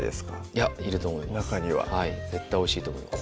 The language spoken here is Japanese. いやいると思います中には絶対おいしいと思います